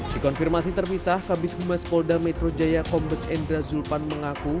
di konfirmasi terpisah kabinet humas polda metro jaya kombes endra zulpan mengaku